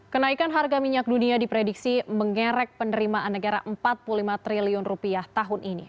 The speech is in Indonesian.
kenaikan harga minyak dunia diprediksi mengerek penerimaan negara empat puluh lima triliun rupiah tahun ini